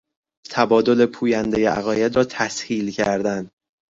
تبادل پویندهی عقاید را تسهیل کردن